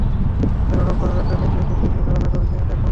তাঁরা রোববার রাতে হইচই শুনতে পেয়ে ধারণা করেন হাতি আক্রমণ করেছে।